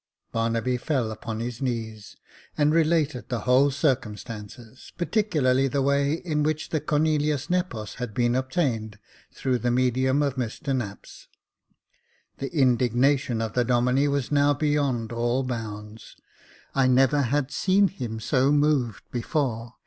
Barnaby fell upon his knees, and related the whole cir cumstances, particularly the way in which the Cornelius Nepos had been obtained, through the medium of Mr Knapps. The indignation of the Domine was now beyond all bounds. I never had seen him so moved before.